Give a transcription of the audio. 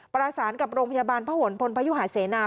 ประสานกับโรงพยาบาลพระหลพลพยุหาเสนา